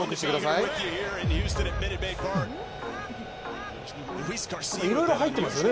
いろいろ入っていますよね